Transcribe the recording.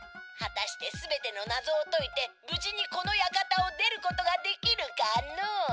はたして全ての謎をといてぶじにこのやかたを出ることができるかのう？